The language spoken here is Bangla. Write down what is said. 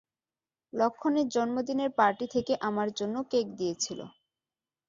লক্ষনের জন্মদিনের পার্টি থেকে আমার জন্য কেক দিয়েছিল।